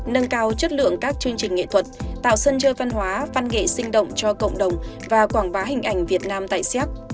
nâng cao chất lượng các chương trình nghệ thuật tạo sân chơi văn hóa văn nghệ sinh động cho cộng đồng và quảng bá hình ảnh việt nam tại xéc